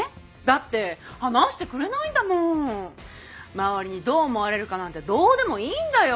周りにどう思われるかなんてどうでもいいんだよ。